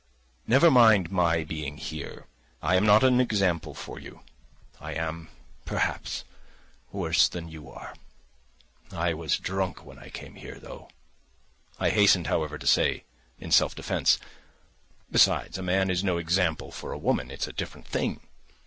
"Never mind my being here, I am not an example for you. I am, perhaps, worse than you are. I was drunk when I came here, though," I hastened, however, to say in self defence. "Besides, a man is no example for a woman. It's a different thing.